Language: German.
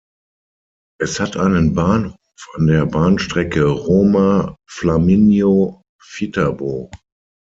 Es hat einen Bahnhof an der Bahnstrecke Roma Flaminio–Viterbo.